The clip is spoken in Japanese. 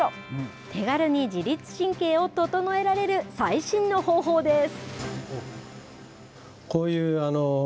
手軽に自律神経を整えられる、最新の方法です。